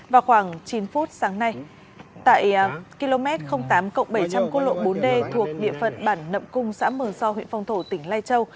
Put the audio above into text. vào khoảng chín phút sáng nay tại km tám bảy trăm linh cô lộ bốn d thuộc địa phận bản nậm cung xã mường so huyện phong thổ tỉnh lai châu